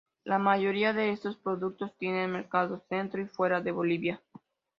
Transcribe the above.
La mayoría de estos productos tienen mercados dentro y fuera de Bolivia.